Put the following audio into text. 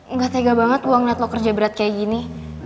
nggak tega banget uang ngeliat lo kerja berat kayak gini